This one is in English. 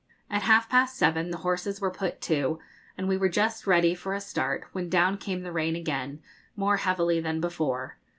At half past seven the horses were put to, and we were just ready for a start, when down came the rain again, more heavily than before.